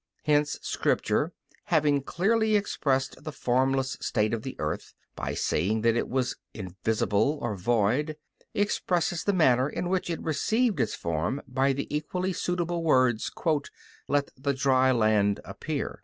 Hence Scripture, having clearly expressed the formless state of the earth, by saying that it was "invisible" or "void," expresses the manner in which it received its form by the equally suitable words, "Let the dry land appear."